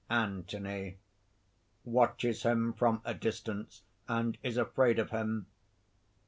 _) ANTHONY (_watches him from a distance, and is afraid of him.